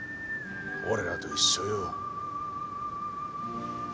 俺らと一緒よ。